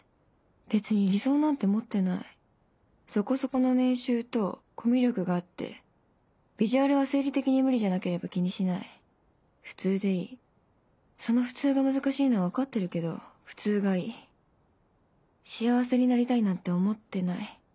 別に理想なんて持ってないそこそこの年収とコミュ力があってビジュアルは生理的に無理じゃなければ気にしない普通でいいその「普通」が難しいのは分かってるけど「普通」がいい幸せになりたいなんて思ってない